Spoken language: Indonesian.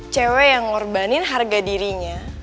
cewek yang ngorbanin harga dirinya